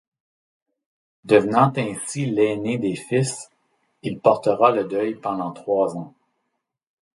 Devenant ainsi l'aîné des fils, il portera le deuil pendant trois ans.